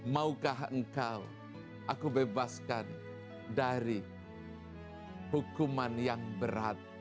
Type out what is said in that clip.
maukah engkau aku bebaskan dari hukuman yang berat